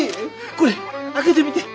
これ開けてみて！